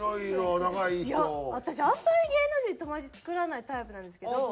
あんまり芸能人の友達作らないタイプなんですけど。